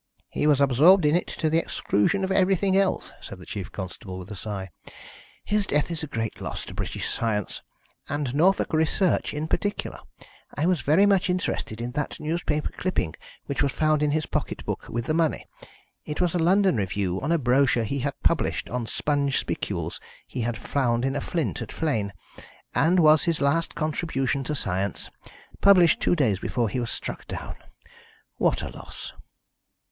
"He was absorbed in it to the exclusion of everything else," said the chief constable, with a sigh. "His death is a great loss to British science, and Norfolk research in particular. I was very much interested in that newspaper clipping which was found in his pocket book with the money. It was a London review on a brochure he had published on sponge spicules he had found in a flint at Flegne, and was his last contribution to science, published two days before he was struck down. What a loss!"